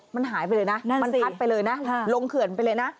มันหายไปเลยนะมันพัดไปเลยนะลงเขื่อนไปเลยนะ